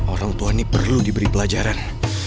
orang tua ini perlu diberi pelajaran